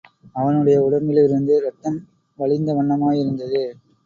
அவனுடைய உடம்பிலிருந்து இரத்தம் வழிந்த வண்ணமாயிருந்தது.